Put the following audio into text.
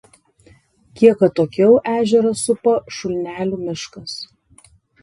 Kiek atokiau ežerą supa Šulnelių miškas.